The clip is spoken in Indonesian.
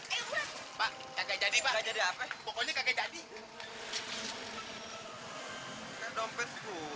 kakak dompet gue